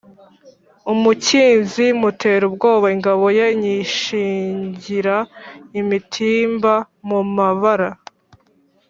Umukinzi mutera ubwoba ingabo ye nyishingira imitimba mu mabara,